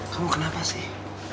kamu kenapa sih